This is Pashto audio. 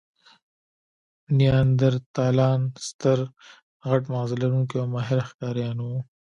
نیاندرتالان ستر، غټ ماغزه لرونکي او ماهره ښکاریان وو.